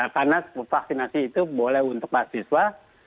karena divaksinasi itu boleh untuk mahasiswa